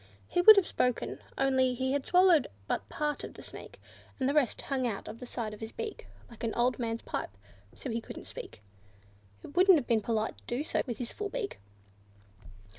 He would have spoken, only he had swallowed part of the Snake, and the rest hung out of the side of his beak, like an old man's pipe; so he couldn't speak. It wouldn't have been polite to do so with his beak full.